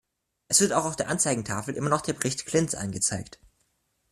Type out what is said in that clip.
Es wird auch auf der Anzeigetafel immer noch der Bericht Klinz angezeigt.